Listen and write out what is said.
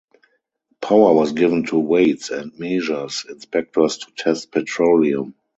Power was given to Weights and Measures inspectors to test petroleum.